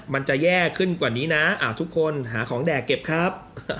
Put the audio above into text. มันจะแย่ขึ้นกว่านี้นะทุกคนหาของแดกเก็บครับ